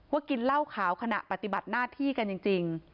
กินเหล้าขาวขณะปฏิบัติหน้าที่กันจริง